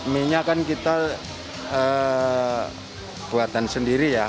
mie nya kan kita buatan sendiri ya